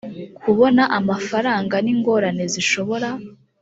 kubona amafaranga n ingorane zishobora